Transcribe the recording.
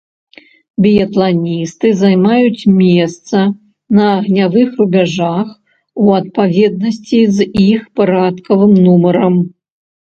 Біятланісты займаюць месца на агнявых рубяжах у адпаведнасці з іх парадкавым нумарам.